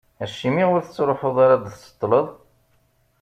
Acimi ur tettruḥuḍ ara ad d-tṣeṭṭleḍ?